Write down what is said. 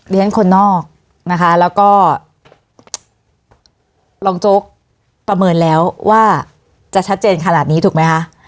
คนนอกนะคะแล้วก็รองโจ๊กประเมินแล้วว่าจะชัดเจนขนาดนี้ถูกไหมคะ